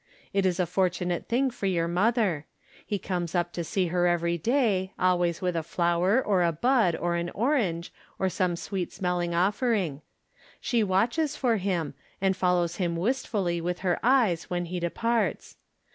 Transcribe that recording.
It is a fortu nate thing for your mother. He comes up to see her every clay, always with a flower, or a bud, or an orange, or some sweet smelling offering. She watches for him, and follows him wistfulty with her eyes when he departs.